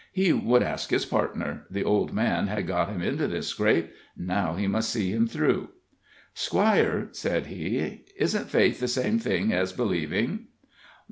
He would ask his partner; the old man had got him into this scrape now he must see him through. "Squire," said he, "isn't faith the same thing as believing?"